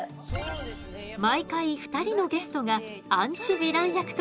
毎回２人のゲストがアンチヴィラン役として登場。